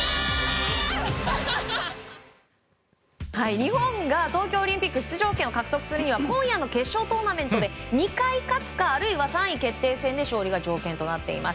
日本が東京オリンピック出場権を獲得するには今夜の決勝トーナメントで２回勝つかあるいは３位決定戦で勝利が条件となっています。